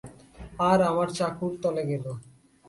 আর আমার চাকুর তলে গেল।